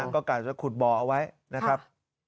ก็กะจะขุดบ่อเอาไว้นะครับ